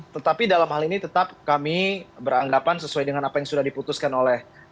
tetapi dalam hal ini tetap kami beranggapan sesuai dengan apa yang sudah diputuskan oleh